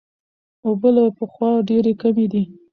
اوبه له پخوا ډېرې کمې دي.